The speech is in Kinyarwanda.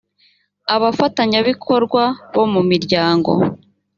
abafatanyabikorwa bo mu miryango